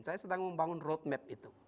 saya sedang membangun road map itu